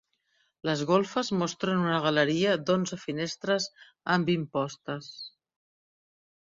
Les golfes mostren una galeria d'onze finestres amb impostes.